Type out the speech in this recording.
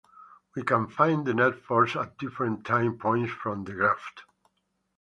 We can find the net force at different time points from the graph.